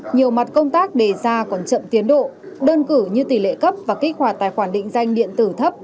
nhiều mặt công tác đề ra còn chậm tiến độ đơn cử như tỷ lệ cấp và kích hoạt tài khoản định danh điện tử thấp